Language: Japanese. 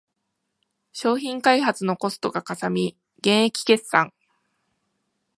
商品開発のコストがかさみ減益決算